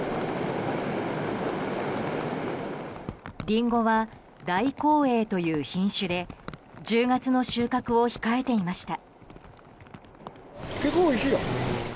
リンゴは大紅栄という品種で１０月の収穫を控えていました。